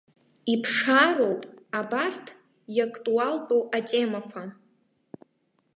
Иԥшаароуп абарҭ иактуалтәу атемақәа.